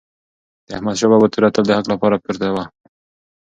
د احمدشاه بابا توره تل د حق لپاره پورته وه.